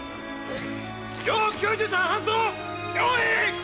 要救助者搬送用意！